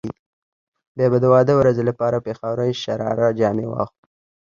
بيا به د واده ورځې لپاره پيښورۍ شراره جامې واخلو.